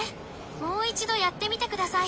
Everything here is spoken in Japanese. もう一度やってみてください。